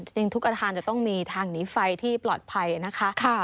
จริงทุกอาคารจะต้องมีทางหนีไฟที่ปลอดภัยนะคะ